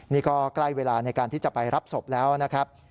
นี่ก็ใกล้เวลาในการที่จะไปรับศพแล้วนะครับ